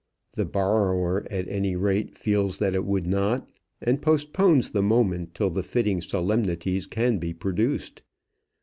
The borrower, at any rate, feels that it would not, and postpones the moment till the fitting solemnities can be produced.